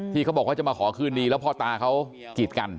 เขาบอกว่าจะมาขอคืนดีแล้วพ่อตาเขากีดกัน